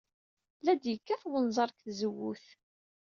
La d-yekkat wenẓar deg tzewwut.